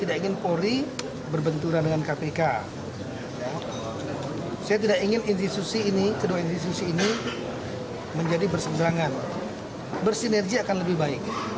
kedua institusi ini menjadi berseberangan bersinergi akan lebih baik